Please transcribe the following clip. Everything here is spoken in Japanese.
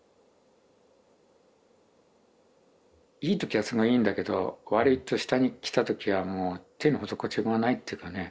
いい時はすごいいいんだけど悪いと下に来た時はもう手の施しようがないっていうかね。